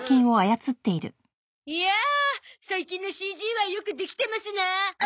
いやあ最近のＣＧはよくできてますな！